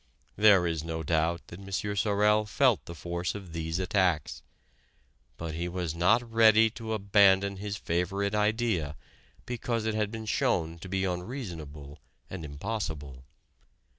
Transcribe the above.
There is no doubt that M. Sorel felt the force of these attacks. But he was not ready to abandon his favorite idea because it had been shown to be unreasonable and impossible.